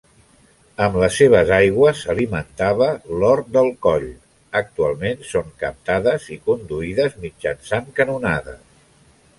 Amb les seves aigües alimentava l'Hort del Coll; actualment són captades i conduïdes mitjançant canonades.